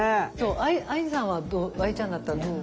ＡＩさんはＡＩちゃんだったらどう？